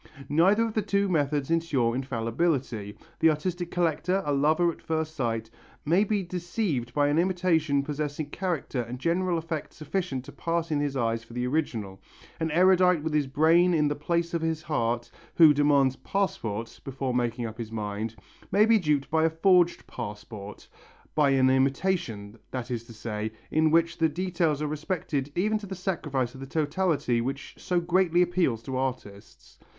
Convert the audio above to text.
Neither of the two methods ensures infallibility. The artistic collector, a lover at first sight, may be deceived by an imitation possessing character and general effect sufficient to pass in his eyes for an original; the erudite with his brain in the place of his heart, who demands "passports" before making up his mind, may be duped by a forged "passport," by an imitation, that is to say, in which the details are respected even to the sacrifice of the totality which so greatly appeals to artists.